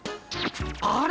あれ？